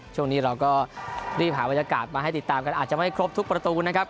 ช่วงนี้เราก็รีบหาบรรยากาศมาให้ติดตามกันอาจจะไม่ครบทุกประตูนะครับ